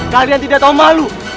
kalian tidak tahu malu